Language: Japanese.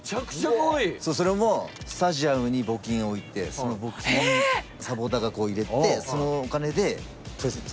それもスタジアムに募金を置いてその募金サポーターが入れてそのお金でプレゼント。